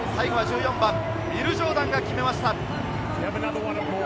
最後は１４番ウィル・ジョーダンが決めました。